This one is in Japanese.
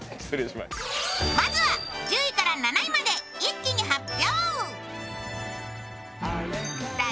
まずは１０位から７位まで一気に発表。